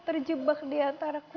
terjebak diantara ku